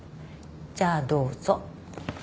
じゃあどうぞ。